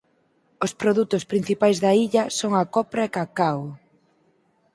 Os produtos principais da illa son a copra e cacao.